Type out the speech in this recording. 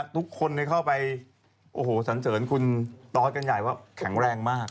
ทุกคนเข้าไปโอ้โหสันเสริญคุณตอสกันใหญ่ว่าแข็งแรงมาก